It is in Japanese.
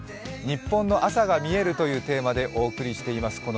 「ニッポンの朝がみえる」というテーマでお送りしています